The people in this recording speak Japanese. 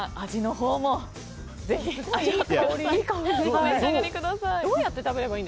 お召し上がりください。